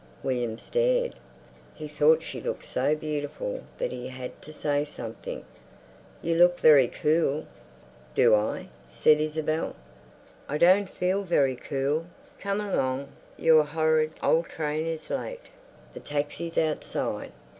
William stared. He thought she looked so beautiful that he had to say something, "You look very cool." "Do I?" said Isabel. "I don't feel very cool. Come along, your horrid old train is late. The taxi's outside."